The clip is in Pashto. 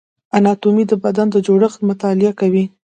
اناتومي د بدن جوړښت مطالعه کوي